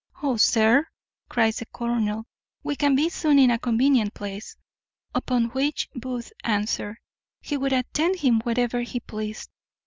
"O, sir," cries the colonel, "we can be soon in a convenient place." Upon which Booth answered, he would attend him wherever he pleased.